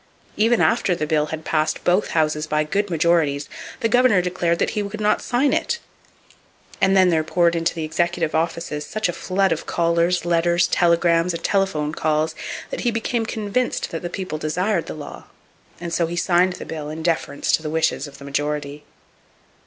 Even after the bill had passed both houses by good majorities, the Governor declared that he could not sign it. And then there poured into the Executive offices such a flood of callers, letters, telegrams and telephone calls that he became convinced that the People desired the law; so he signed the bill in deference to the wishes of the majority.